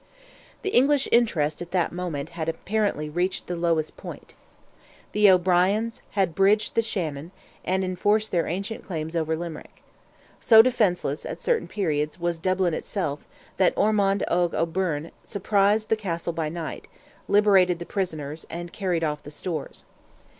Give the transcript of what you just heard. The English interest at that moment had apparently reached the lowest point. The O'Briens had bridged the Shannon, and enforced their ancient claims over Limerick. So defenceless, at certain periods, was Dublin itself that Edmond Oge O'Byrne surprised the Castle by night, liberated the prisoners, and carried off the stores.